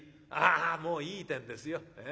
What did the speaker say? ああもういいてんですよ。